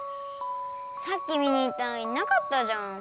さっき見に行ったのになかったじゃん。